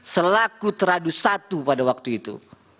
selaku teradu satu pada waktu itu